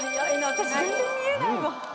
私全然見えないわ。